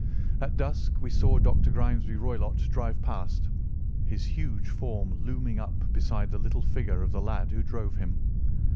At dusk we saw Dr. Grimesby Roylott drive past, his huge form looming up beside the little figure of the lad who drove him.